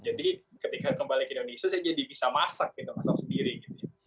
jadi ketika kembali ke indonesia saya jadi bisa masak gitu masak sendiri gitu ya